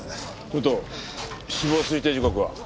武藤死亡推定時刻は？